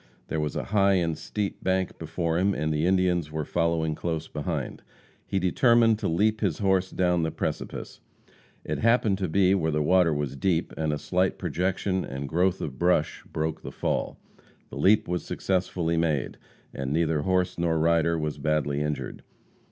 There was a high and steep bank before him, and the Indians were following close behind. He determined to leap his horse down the precipice. It happened to be where the water was deep, and a slight projection and growth of brush broke the fall. The leap was successfully made, and neither horse nor rider was badly injured.